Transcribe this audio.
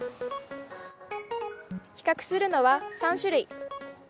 比較するのは３種類。